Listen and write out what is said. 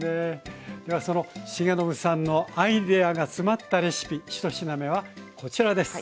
ではその重信さんのアイデアが詰まったレシピ１品目はこちらです。